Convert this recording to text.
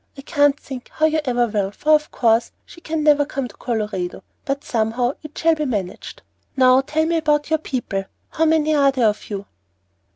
I can't think how you ever will, for of course she can never come to Colorado; but somehow it shall be managed. Now tell me about your people. How many are there of you?"